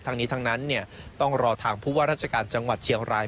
ทั้งนี้ทั้งนั้นต้องรอทางผู้ว่าราชการจังหวัดเชียงราย